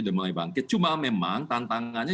sudah mulai bangkit cuma memang tantangannya